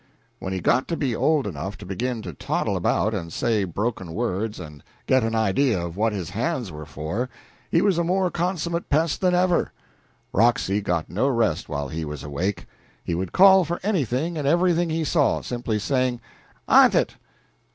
When he got to be old enough to begin to toddle about and say broken words and get an idea of what his hands were for, he was a more consummate pest than ever. Roxy got no rest while he was awake. He would call for anything and everything he saw, simply saying "Awnt it!"